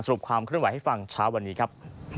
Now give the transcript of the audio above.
สรุปความขึ้นไว้ให้ฟังช้าวันนี้ครับ